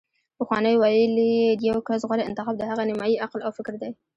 پخوانیو ویلي: د یو کس غوره انتخاب د هغه نیمايي عقل او فکر دی